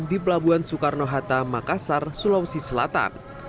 di pelabuhan soekarno hatta makassar sulawesi selatan